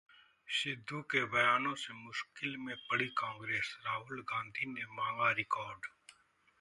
सिद्धू के बयानों से मुश्किल में पड़ी कांग्रेस, राहुल गांधी ने मांगा रिकॉर्ड